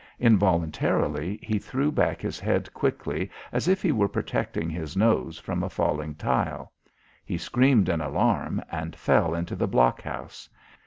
Involuntarily he threw back his head quickly as if he were protecting his nose from a falling tile. He screamed an alarm and fell into the blockhouse.